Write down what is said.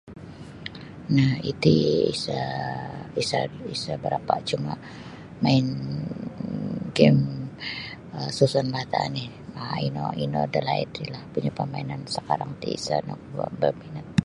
Nah iti isa isa isa barapa cuma main game um susun bata oni um ino ino dalaid ri punya la ino perminan sakarang ti isa nogu barminat.